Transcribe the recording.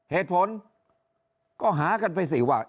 เหตุผลก็หากันไปสิว่า